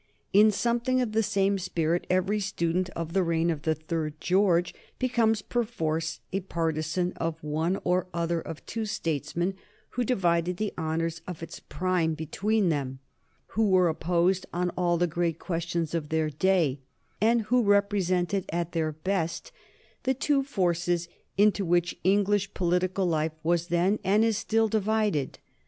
In something of the same spirit every student of the reign of the third George becomes perforce a partisan of one or other of two statesmen who divided the honors of its prime between them, who were opposed on all the great questions of their day, and who represented at their best the two forces into which English political life was then, and is still, divided.